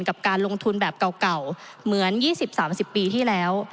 กับการลงทุนแบบเก่าเหมือน๒๐๓๐ปีที่แล้ว